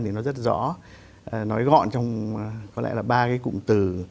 thì nó rất rõ nói gọn trong có lẽ là ba cái cụm từ